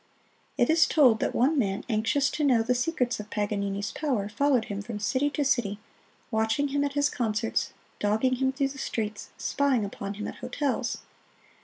It is told that one man, anxious to know the secrets of Paganini's power, followed him from city to city, watching him at his concerts, dogging him through the streets, spying upon him at hotels.